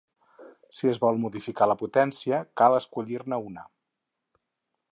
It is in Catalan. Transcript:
Si es vol modificar la potència, cal escollir-ne una.